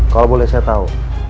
kalau boleh saya tau